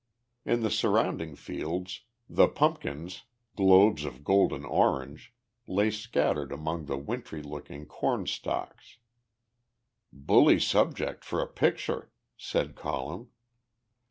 In the surrounding fields the pumpkins, globes of golden orange, lay scattered among the wintry looking corn stalks. "Bully subject for a picture!" said Colin.